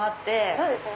そうですね。